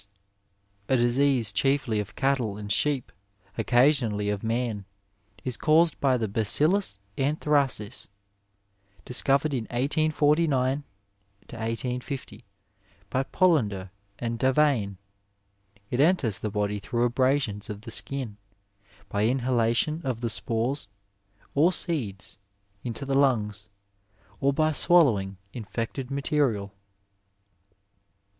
— ^A disease chiefly of cattie and sheep, occa sionally of man, is caused by the BacUlm anthraois, dis covered in 1849 50 by Pollender and Davaine. It enters the body through abrasions of the skin, by inhalation of the spores, or seeds, into the lungs, or by swallowing in fected material.